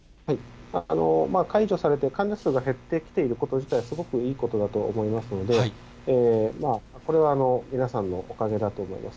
解除されて患者数が減ってきていること自体はすごくいいことだと思いますので、これは皆さんのおかげだと思います。